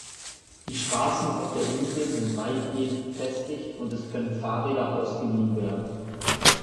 Die Straßen auf der Insel sind weitgehend befestigt und es können Fahrräder ausgeliehen werden.